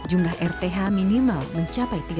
walau jumlah rth ibu kota masih belum mencapai target